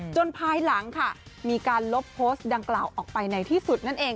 ภายหลังค่ะมีการลบโพสต์ดังกล่าวออกไปในที่สุดนั่นเอง